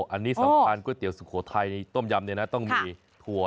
อันนี้สำคัญก๋วยเตี๋ยวสุโขไทยต้มยำดีนะต้องมีถั่วลิ